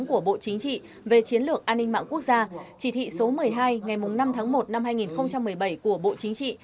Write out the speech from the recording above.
của bộ chính trị về chiến lược an ninh mạng quốc gia chỉ thị số một mươi hai ngày năm tháng một năm hai nghìn một mươi bảy của bộ chính trị